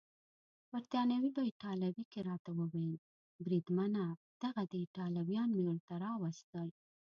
بریتانوي په ایټالوي کې راته وویل: بریدمنه دغه دي ایټالویان مې درته راوستل.